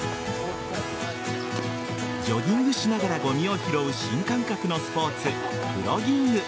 ジョギングしながらごみを拾う新感覚のスポーツプロギング。